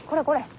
これ！